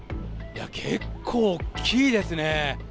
結構、大きいですね。